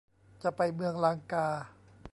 จะไปเมืองลังกา